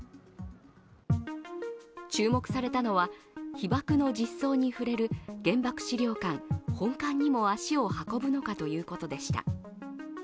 注目されたのは、被爆の実相に触れる原爆資料館本館にも足を運ぶのかということでした。